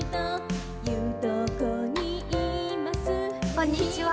こんにちは。